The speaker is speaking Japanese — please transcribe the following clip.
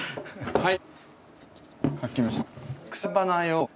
はい。